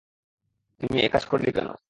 তুই একাজ কেন করলি?